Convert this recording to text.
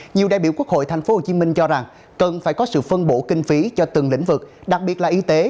nhiều đại biểu quốc hội tp hcm cho rằng cần phải có sự phân bổ kinh phí cho từng lĩnh vực đặc biệt là y tế